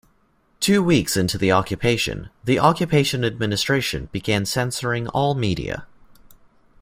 Two weeks into the occupation, the Occupation administration began censoring all media.